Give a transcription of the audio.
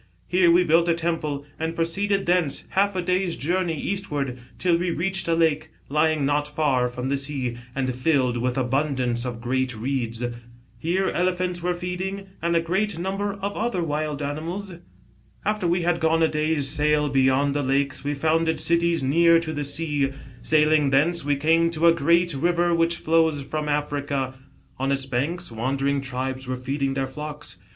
Here we built a temple, and proceeded thence^ half a day's journey eastward,, till we reached a lake, lying not far from the sea, and filled with abundance of great reeds. Here elephants were feeding and a great number of other wild animals. " After we had gone a day's sail beyond the lakes, we founded cities near to the sea. Sailing thence, we came to a great river which flows from Africa. On its banks wandering tribes were feeding their flocks.